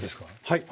はい。